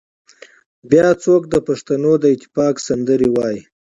بيا څوک د پښتنو د اتفاق سندرې وايي